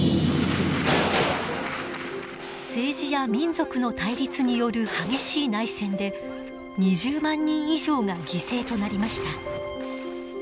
政治や民族の対立による激しい内戦で２０万人以上が犠牲となりました。